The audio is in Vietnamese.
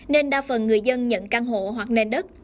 nên đa phần người dân nhận căn hộ hoặc nền đất